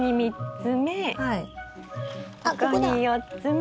ここに４つ目。